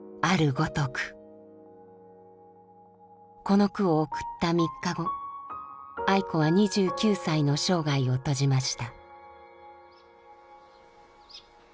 この句を送った３日後愛子は２９歳の生涯を閉じました。